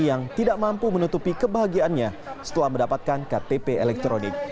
yang tidak mampu menutupi kebahagiaannya setelah mendapatkan ktp elektronik